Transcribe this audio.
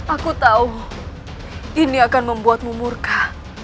aku tahu ini akan membuatmu murka